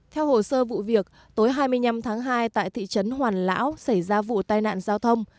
theo hồ sơ vụ việc tối hai mươi năm tháng hai tại thị trấn hoàn lão xảy ra vụ tai nạn giao thông